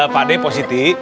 pak ade positif